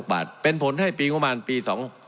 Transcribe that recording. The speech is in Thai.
๓๔๘๒๖บาทเป็นผลให้ปีงบมารปี๒๕๖๖